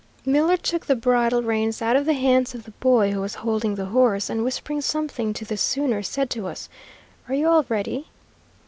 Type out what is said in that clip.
Miller took the bridle reins out of the hands of the boy who was holding the horse, and whispering something to the sooner said to us, "Are you all ready?"